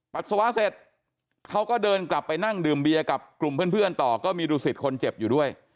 ปัสสาวะเสร็จเขาก็เดินกลับไปนั่งดื่มเบียร์กับกลุ่มเพื่อนต่อก็มีดูสิตคนเจ็บอยู่ด้วย